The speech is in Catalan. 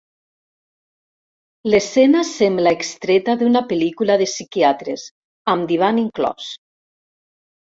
L'escena sembla extreta d'una pel·lícula de psiquiatres, amb divan inclòs.